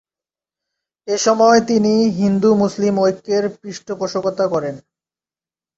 এসময় তিনি হিন্দু-মুসলিম ঐক্যের পৃষ্ঠপোষকতা করেন।